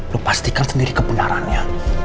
lo pastikan sendiri kebenarannya